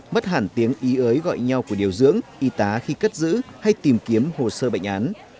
mất hẳn tiếng ý ới gọi nhau của điều dưỡng y tá khi cất giữ hay tìm kiếm hồ sơ bệnh án